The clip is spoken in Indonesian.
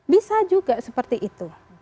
bisa juga seperti itu